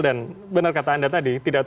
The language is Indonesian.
dan benar kata anda tadi